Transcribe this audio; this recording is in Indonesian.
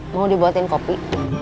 mau dibuatin kopi